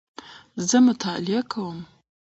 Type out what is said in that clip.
زه مطالعه کوم